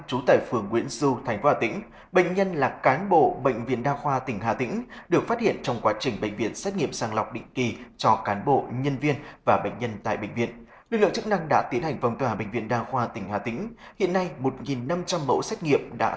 hạ tỉnh đã quyết định phòng tỏa bệnh viện đa qua của tỉnh nam do phát hiện một trường hợp dương tính với sars cov hai bên cạnh đó các lực lượng chức năng cũng nhanh chóng tiến hành truy vết lấy mẫu xét nghiệm